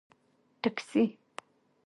🚖 ټکسي